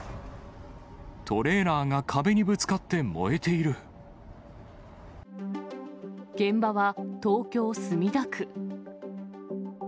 トレーラーが壁にぶつかって現場は東京・墨田区。